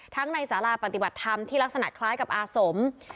ในสาราปฏิบัติธรรมที่ลักษณะคล้ายกับอาสม